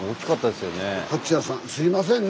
すいませんね